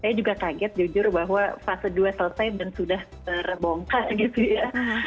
saya juga kaget jujur bahwa fase dua selesai dan sudah terbongkar gitu ya